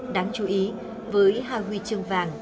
đáng chú ý với hai huy chương vàng